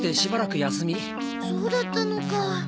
そうだったのか。